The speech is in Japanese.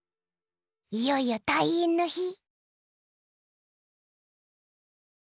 いよいよ退院の日。